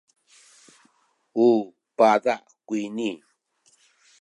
u paza’ kuyni.